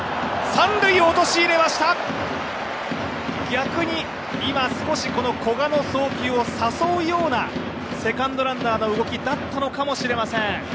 逆に今、少し古賀の送球を誘うようなセカンドランナーの動きだったのかもしれません。